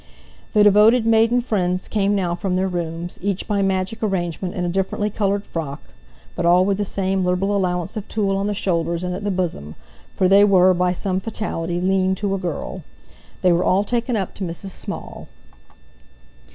The devoted maiden friends came now from their rooms, each by magic arrangement in a differently coloured frock, but all with the same liberal allowance of tulle on the shoulders and at the bosom—for they were, by some fatality, lean to a girl. They were all taken up to Mrs. Small.